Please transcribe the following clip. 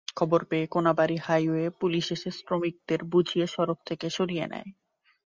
খবর পেয়ে Konabari highway police এসে শ্রমিকদের বুঝিয়ে সড়ক থেকে সরিয়ে নেয়।